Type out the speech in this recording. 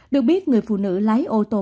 được biết người phụ nữ lái ô tô màu